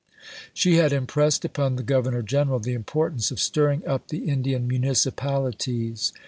She had impressed upon the Governor General the importance of stirring up the Indian municipalities.